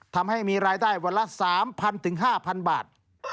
ทำให้มีรายได้วันละ๓๐๐๕๐๐บาท